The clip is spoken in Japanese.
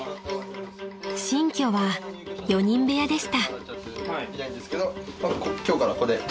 ［新居は４人部屋でした］